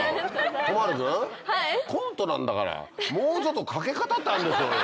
都丸君コントなんだからもうちょっとかけ方ってあるでしょうよ！